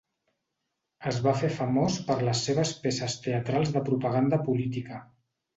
Es va fer famós per les seves peces teatrals de propaganda política.